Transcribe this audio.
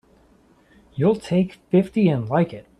You'll take fifty and like it!